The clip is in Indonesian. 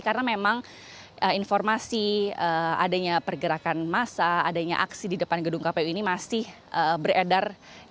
karena memang informasi adanya pergerakan masa adanya aksi di depan gedung kpu ini masih beredar